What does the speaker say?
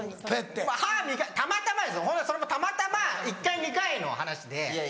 歯たまたまですよそれもたまたま１回２回の話で。